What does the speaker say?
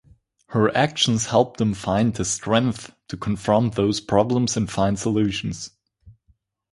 Her actions help them find the strength to confront those problems and find solutions.